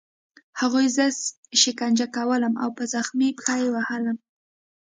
هغوی زه شکنجه کولم او په زخمي پښه یې وهلم